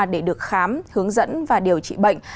để được khám hướng dẫn và điều trị bệnh